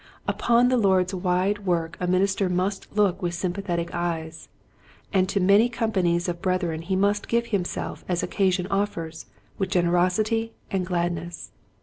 Upon the Lord's wide work a minister must look with sympathetic eyes, and to many companies of brethren he must give himself as occasion offers with generosity and gladness.